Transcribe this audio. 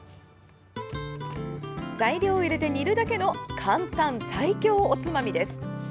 材料を入れて煮るだけの簡単、最強おつまみです。